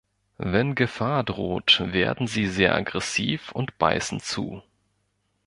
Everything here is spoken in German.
Wenn Gefahr droht, werden sie sehr aggressiv und beißen zu.